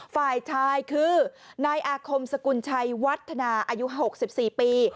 ฝ่ายชายคือนายอาคมสกุลชัยวัฒนาอายุ๖๔ปี